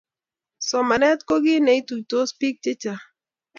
Somanet ko kit ne ituitos bik che chang.